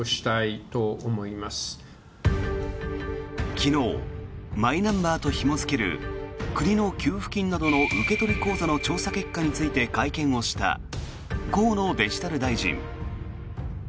昨日マイナンバーとひも付ける国の給付金などの受取口座の調査結果について会見した河野デジタル大臣。